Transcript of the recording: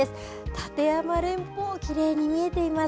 立山連峰きれいに見えています。